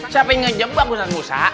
siapa yang ngejebak ustad musa